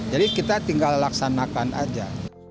jadi kita tinggal laksanakan saja